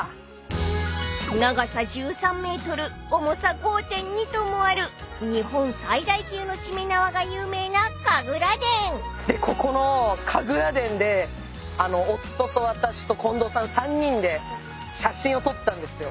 ［長さ１３ｍ重さ５．２ｔもある日本最大級のしめ縄が有名な神楽殿］でここの神楽殿で夫と私と近藤さん３人で写真を撮ったんですよ。